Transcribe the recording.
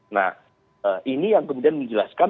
nah ini yang kemudian menjelaskan